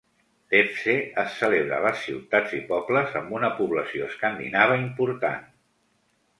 Lefse es celebra a les ciutats i pobles amb una població escandinava important.